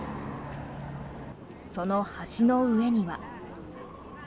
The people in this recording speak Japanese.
その橋の上には。